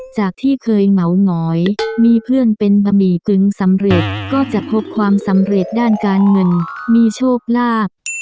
จากที่เคยเหงาหงอยมีเพื่อนเป็นบะหมี่กึงสำเร็จก็จะพบความสำเร็จด้านการเงินมีโชคลาภ